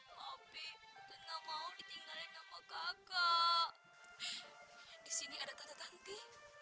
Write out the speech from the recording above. mau ditinggalin sama kakak disini ada tante tante